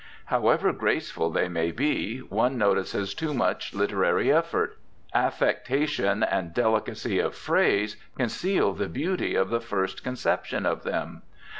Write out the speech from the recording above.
However graceful they may be, one notices too much literary effort; affectation and delicacy of phrase conceal the beauty of the first conception of them.